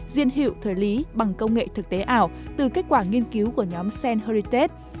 diên hiệu thời lý bằng công nghệ thực tế ảo từ kết quả nghiên cứu của nhóm senn heritage